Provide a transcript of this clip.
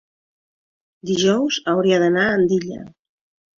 Dijous hauria d'anar a Andilla.